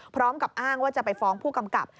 พร้อมกับอ้างว่าจะไปฟ้องผู้กำกับ